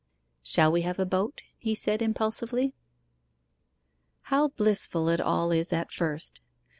'Shall we have a boat?' he said impulsively. How blissful it all is at first.